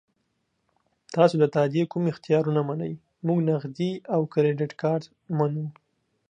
تاسو د تادیې کوم اختیارونه منئ؟ موږ نغدي او کریډیټ کارت منو.